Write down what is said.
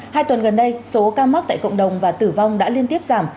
hai tuần gần đây số ca mắc tại cộng đồng và tử vong đã liên tiếp giảm